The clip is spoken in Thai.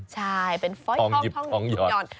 ใช่เป็นฟอยทองทองหยอด